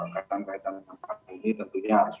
kaitan kaitan dengan vaksin ini tentunya harus